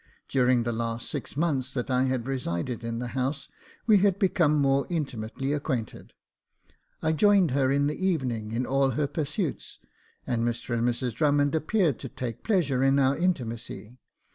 During the last six months that I had resided in the house, we had become more intimately acquainted. I joined her in the evening in ail her pursuits, and Mr and Mrs Drummond appeared to take a pleasure in our intimacy.